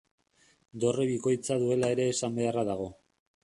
Dorre bikoitza duela ere esan beharra dago.